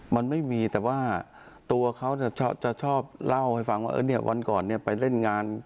มันไม่มีแต่ว่าตัวเขาจะชอบเล่าให้ฟังว่าวันก่อนไปเล่นงาน